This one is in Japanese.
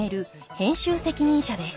編集責任者です。